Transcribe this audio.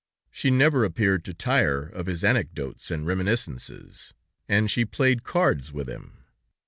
She never appeared to tire of his anecdotes and reminiscences, and she played cards with him.